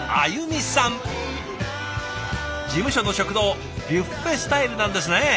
事務所の食堂ビュッフェスタイルなんですね！